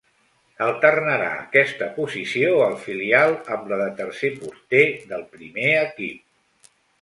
Alternarà aquesta posició al filial amb la de tercer porter del primer equip.